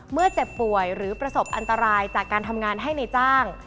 เจ็บป่วยหรือประสบอันตรายจากการทำงานให้ในจ้าง